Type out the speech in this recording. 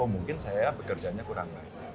mungkin saya bekerjanya kurang baik